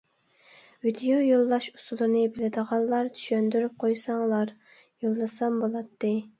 ۋىدىيو يوللاش ئۇسۇلىنى بىلىدىغانلار چۈشەندۈرۈپ قويساڭلار، يوللىسام بولاتتى.